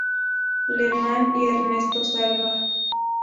Lehmann y Ernesto Salva.